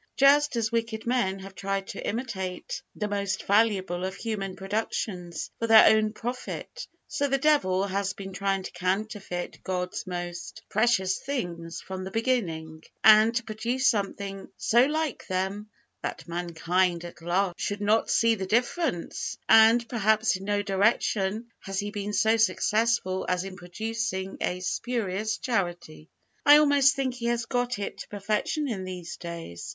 Just as wicked men have tried to imitate the most valuable of human productions for their own profit, so the devil has been trying to counterfeit God's most precious things from the beginning, and to produce something so like them that mankind at large should not see the difference, and, perhaps, in no direction has he been so successful as in producing a Spurious Charity. I almost think he has got it to perfection in these days.